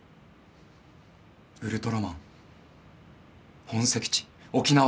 ウルトラマン本籍地沖縄。